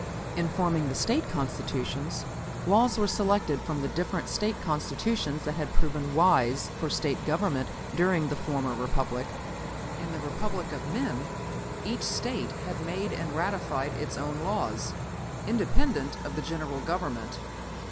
"In forming the State Constitutions, laws were selected from the different State Constitutions that had proven wise for State Government during the former Republic. In the Republic of men, each State had made and ratified its own laws, independent of the General Government.